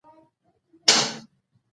سلامونه نیکې هیلې مې ومنئ، زه ډيوه افضل یم